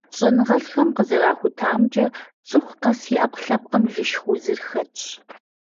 ЩӀэныгъэлӀхэм къызэрахутамкӀэ, цӀыху къэс и Ӏэпкълъэпкъым лышх узыр хэтщ.